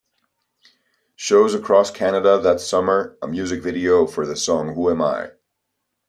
Shows across Canada that summer, a music video for the song Who Am I?